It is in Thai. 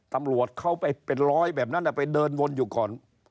ตำรวจเขาไปเป็นร้อยแบบนั้นไปเดินวนอยู่ก่อน